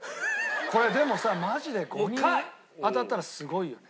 これでもさマジで５人当たったらすごいよね。